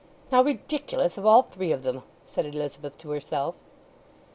"How ridiculous of all three of them!" said Elizabeth to herself.